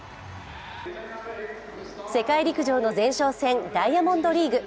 世界陸上の前哨戦、ダイヤモンドリーグ。